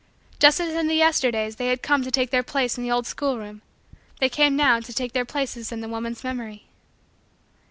Just as in the Yesterdays they had come to take their places in the old schoolroom, they came, now, to take their places in the woman's memory.